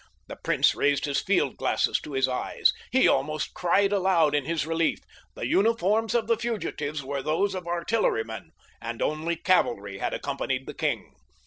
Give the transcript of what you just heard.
The prince raised his field glasses to his eyes. He almost cried aloud in his relief—the uniforms of the fugitives were those of artillerymen, and only cavalry had accompanied the king.